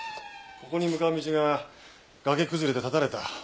ここに向かう道が崖崩れで断たれた。